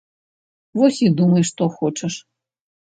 Вось і думай што хочаш.